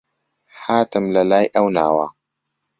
هاتم لە لای ئەو ناوە